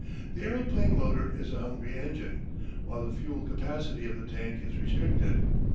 The aeroplane motor is a hungry engine, while the fuel capacity of the tank is restricted.